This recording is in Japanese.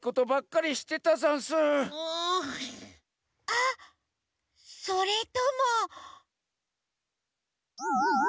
あっそれとも。